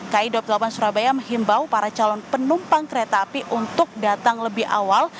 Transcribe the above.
kai dua puluh delapan surabaya menghimbau para calon penumpang kereta api untuk datang lebih awal